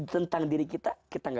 tentu saja kita akan mencintai allah